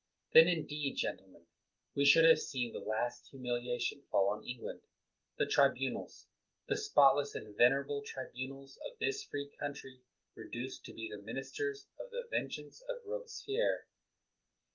Then, indeed, gentlemen, we should have seen the last humiliation fall on England; the tri bunals, the spotless and venerable tribunals, of this free country reduced to be the ministers of the vengeance of Robespierre!